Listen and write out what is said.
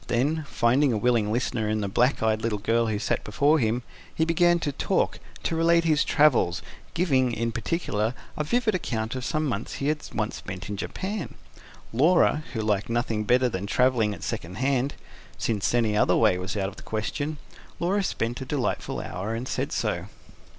Then, finding a willing listener in the black eyed little girl who sat before him, he began to talk, to relate his travels, giving, in particular, a vivid account of some months he had once spent in Japan. Laura, who liked nothing better than travelling at second hand since any other way was out of the question Laura spent a delightful hour, and said so.